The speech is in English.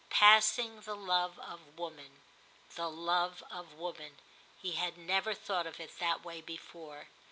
* Passing the love of woman. ' 'The love of woman '; he had never thought of it that way before.